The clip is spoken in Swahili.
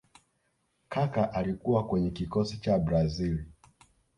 Kaka alikuwa kwyenye kikosi cha brazili